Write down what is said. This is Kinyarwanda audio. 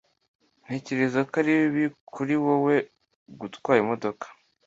Ntekereza ko ari bibi kuri wewe gutwara imodoka.